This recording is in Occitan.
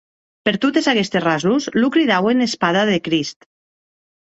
E per totes aguestes rasons lo cridauen Espada de Crist.